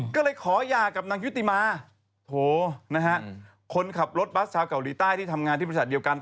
ก็เลยขอหย่ากับนางยุติมาโถนะฮะคนขับรถบัสชาวเกาหลีใต้ที่ทำงานที่บริษัทเดียวกัน